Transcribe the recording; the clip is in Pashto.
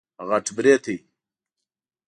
غټ برېتی